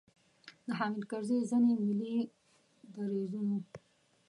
د حامد کرزي ځینې ملي دریځونو.